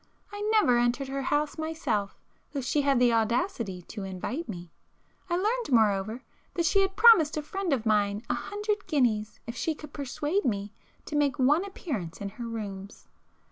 I never entered her house myself though she had the audacity to invite me,—I learned moreover, that she had promised a friend of mine a hundred guineas if she could persuade me to make one appearance in her rooms.